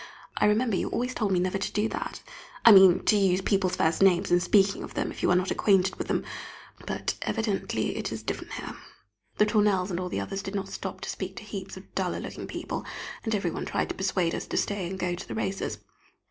I remember you always told me never to do that I mean to use people's first names in speaking of them if you are not acquainted with them but evidently it is different here. The Tournelles and all the others did stop to speak to heaps of duller looking people, and every one tried to persuade us to stay and go to the races.